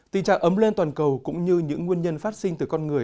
tình trạng ấm lên toàn cầu cũng như những nguyên nhân phát sinh từ con người